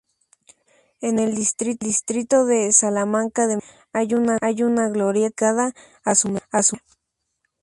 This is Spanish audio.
En el distrito de Salamanca de Madrid, hay una glorieta dedicada a su memoria.